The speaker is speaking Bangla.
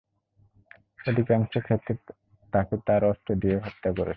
অধিকাংশ ক্ষেত্রে তাকে তার অস্ত্র দিয়েই হত্যা করেছে।